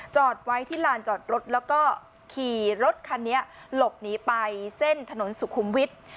จอดไว้ที่ลานจอดรถแล้วก็ขี่รถคันนี้หลบหนีไปเส้นถนนสุขุมวิทย์